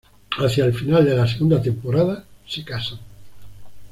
Hacia el final de la segunda temporada, se casan.